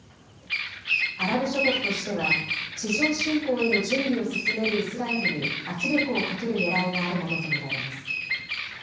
アラブ諸国としては地上侵攻への準備を進めるイスラエルに圧力をかけるねらいがあるものと見られます。